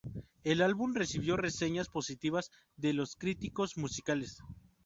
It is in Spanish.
El álbum recibió reseñas positivas de los críticos musicales.